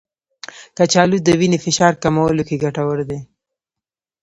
کچالو د وینې فشار کمولو کې ګټور دی.